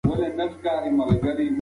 هغې د زوی د خوب کوټې ته سر ورایسته کړ.